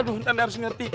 nanda harus ngerti